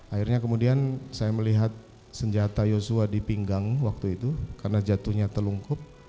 akhirnya kemudian saya melihat senjata yosua di pinggang waktu itu karena jatuhnya telungkup